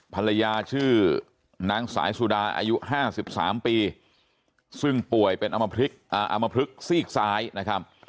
ภรรยาชื่อนางสายสุดาอายุ๕๓ปีซึ่งป่วยเป็นอมพลึกซีกซ้ายนะครับ